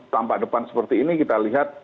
tampak depan seperti ini kita lihat